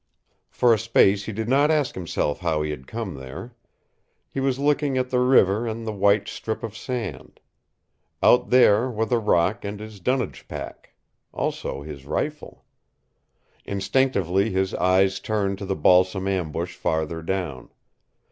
For a space he did not ask himself how he had come there. He was looking at the river and the white strip of sand. Out there were the rock and his dunnage pack. Also his rifle. Instinctively his eyes turned to the balsam ambush farther down.